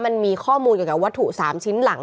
มันมีข้อมูลเกี่ยวกับวัตถุ๓ชิ้นหลัง